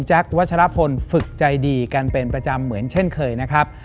วัชรพลฝึกใจดีกันเป็นประจำเหมือนเช่นเคยนะครับ